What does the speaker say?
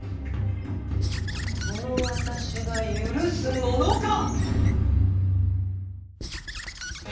この私が許すものか！